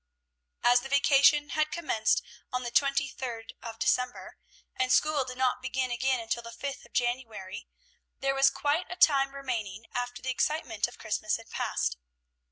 As the vacation had commenced on the twenty third of December, and school did not begin again until the fifth of January, there was quite a time remaining after the excitement of Christmas had passed.